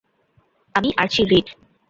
আমি Archie read!